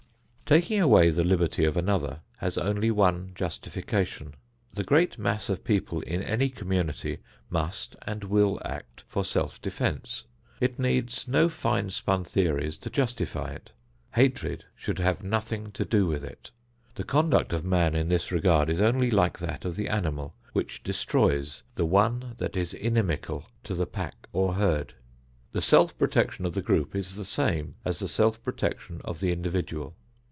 Taking away the liberty of another has only one justification. The great mass of people in any community must and will act for self defense. It needs no fine spun theories to justify it. Hatred should have nothing to do with it. The conduct of man in this regard is only like that of the animal which destroys the one that is inimical to the pack or herd. The self protection of the group is the same as the self protection of the individual.